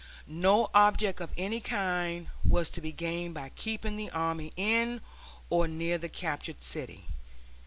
No object of any kind was to be gained by keeping the army in or near the captured city.